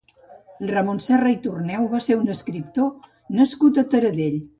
Ramon Serra i Toneu va ser un escriptor nascut a Taradell.